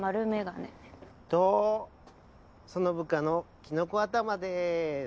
とその部下のキノコ頭でーす。